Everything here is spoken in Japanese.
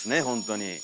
ほんとに。